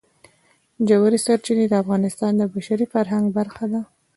ژورې سرچینې د افغانستان د بشري فرهنګ برخه ده.